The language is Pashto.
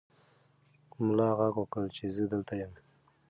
ملا غږ وکړ چې زه دلته یم.